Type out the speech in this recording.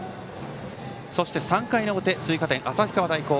そして３回の表追加点、旭川大高。